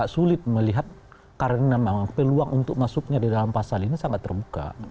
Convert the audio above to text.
sulit melihat karena memang peluang untuk masuknya di dalam pasal ini sangat terbuka